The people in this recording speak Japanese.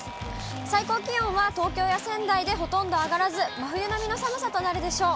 最高気温は東京や仙台でほとんど上がらず、真冬並みの寒さとなるでしょう。